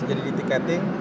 jadi di ticketing